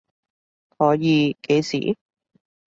可以，幾時？